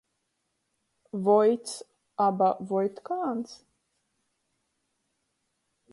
Voits aba voitkāns.